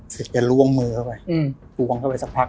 สุดจะล่วงมือเข้าไปปวงเข้าไปสักพัก